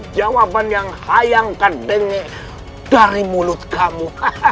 jawaban yang hayang kedenge dari mulut kamu